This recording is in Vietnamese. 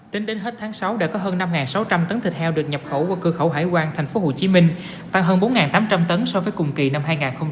tính đến hết tháng sáu đã có hơn năm sáu trăm linh tấn thịt heo được nhập khẩu qua cơ khẩu hải quan thành phố hồ chí minh tăng hơn bốn tám trăm linh tấn so với cùng kỳ năm hai nghìn một mươi tám